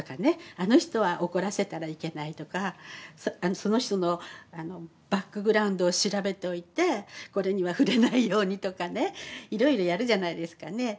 あの人は怒らせたらいけないとかその人のバックグラウンドを調べておいてこれには触れないようにとかねいろいろやるじゃないですかね。